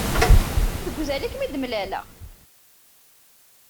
Deg uzal i kem-id-mlaleɣ.